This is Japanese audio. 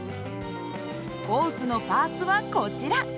コースのパーツはこちら。